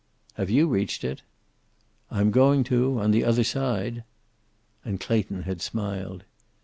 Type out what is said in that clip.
"Have you reached it?" "I'm going to, on the other side." And Clayton had smiled.